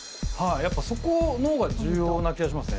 やっぱそこの方が重要な気がしますね。